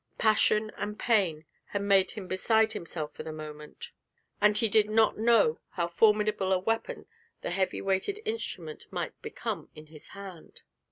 Passion and pain had made him beside himself for the moment, and he did not know how formidable a weapon the heavily weighted instrument might become in his hand.